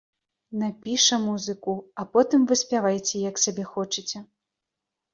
Напіша музыку, а потым вы спявайце, як сабе хочаце.